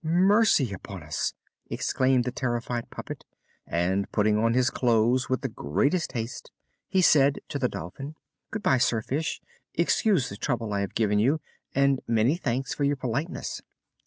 "Mercy upon us!" exclaimed the terrified puppet; and, putting on his clothes with the greatest haste, he said to the Dolphin: "Good bye, Sir Fish; excuse the trouble I have given you, and many thanks for your politeness."